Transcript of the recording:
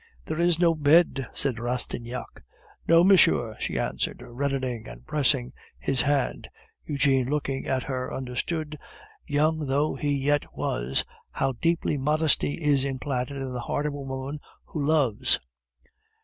"There is no bed," said Rastignac. "No, monsieur," she answered, reddening, and pressing his hand. Eugene, looking at her, understood, young though he yet was, how deeply modesty is implanted in the heart of a woman who loves.